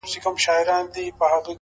مهرباني د انسانیت خاموشه ژبه ده